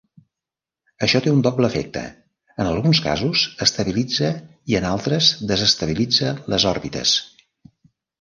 Això té un doble efecte: en alguns casos estabilitza i en altres desestabilitza les òrbites.